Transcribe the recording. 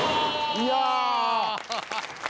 いや！